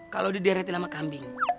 kalo dideretin sama kambing